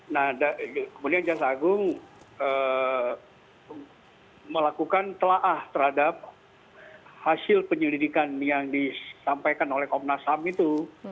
nah kemudian jaksa agung melakukan telah terhadap hasil penyelidikan yang disampaikan oleh komnas ham itu